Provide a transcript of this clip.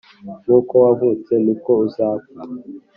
nkuko wavutse niko uzapfa